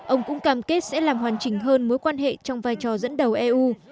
ông cũng cam kết sẽ làm hoàn chỉnh hơn mối quan hệ trong vai trò dẫn đầu eu